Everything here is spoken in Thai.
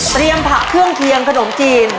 ผักเครื่องเคียงขนมจีน